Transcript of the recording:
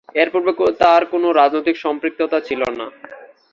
এর পূর্বে তার কোন রাজনৈতিক সম্পৃক্ততা ছিল না।